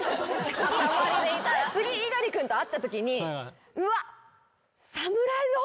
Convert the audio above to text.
次猪狩君と会ったときにうわっ。